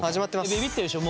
びびってるでしょ。